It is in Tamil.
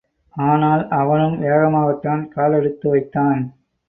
ஆனால், அவனும் வேகமாகத்தான் காலெடுத்து வைத்தான்.